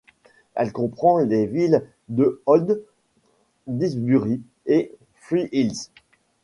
Elle comprend les villes de Olds, Didsbury et Three Hills.